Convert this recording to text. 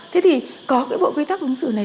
thế thì có cái bộ quy tắc ứng xử này